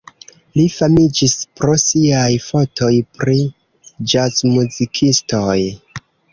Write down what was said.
Li famiĝis pro siaj fotoj pri ĵazmuzikistoj.